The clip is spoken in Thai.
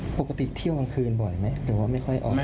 ปกติเที่ยวกลางคืนบ่อยไหมหรือว่าไม่ค่อยออก